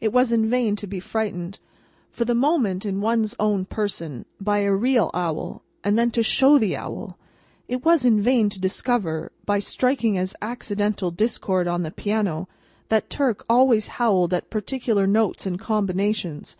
It was in vain to be frightened, for the moment in one's own person, by a real owl, and then to show the owl. It was in vain to discover, by striking an accidental discord on the piano, that Turk always howled at particular notes and combinations.